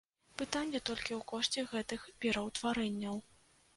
Пытанне толькі ў кошце гэтых пераўтварэнняў.